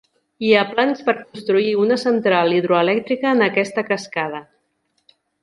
Hi ha plans per construir una central hidroelèctrica en aquesta cascada.